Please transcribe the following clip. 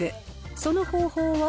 その方法は？